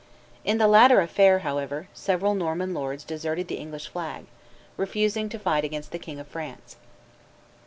In the latter affair, however, several Norman lords deserted the English flag, refusing to fight against the King of France.